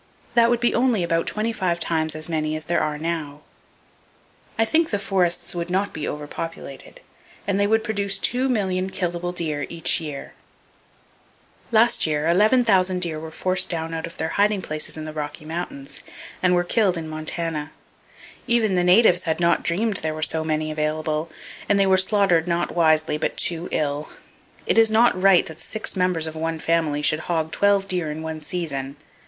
That would be only about twenty five times as many as are there now! I think the forests would not be over populated; and they would produce two million killable deer each year! Last year, 11,000 deer were forced down out of their hiding places in [Page 238] the Rocky Mountains, and were killed in Montana. Even the natives had not dreamed there were so many available; and they were slaughtered not wisely but too ill. It is not right that six members of one family should "hog" twelve deer in one season.